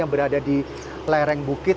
yang berada di lereng bukit